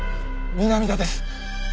南田です。